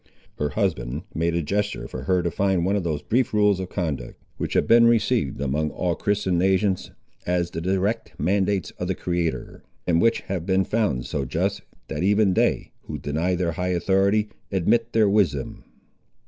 Her husband made a gesture for her to find one of those brief rules of conduct, which have been received among all Christian nations as the direct mandates of the Creator, and which have been found so just, that even they, who deny their high authority, admit their wisdom.